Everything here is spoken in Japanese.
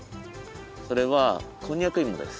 それはこんにゃくいもです。